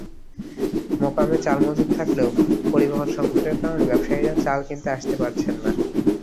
মোকামে চাল মজুত থাকলেও পরিবহনসংকটের কারণে ব্যবসায়ীরা চাল কিনতে আসতে পারছেন না।